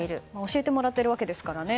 教えてもらっているわけですからね。